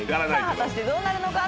果たしてどうなるのか？